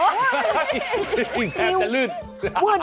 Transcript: แม่จะลืด